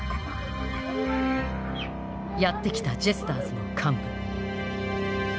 やって来たジェスターズの幹部。